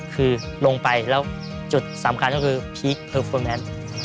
คือลงไปแล้วจุดสำคัญก็คือพีคเพอร์เฟอร์แมน